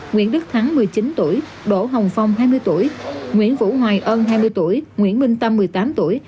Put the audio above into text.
nguyễn đức thắng một mươi chín tuổi đỗ hồng phong hai mươi tuổi nguyễn vũ hoài ân hai mươi tuổi nguyễn minh tâm một mươi tám tuổi